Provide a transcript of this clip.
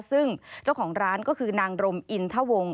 ซึ่งเจ้าของร้านก็คือนางรมอินทวง